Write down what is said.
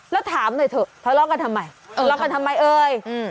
แล้วถามหน่อยเถอะทะเลาะกันทำไมทะเลาะกันทำไมเอ่ย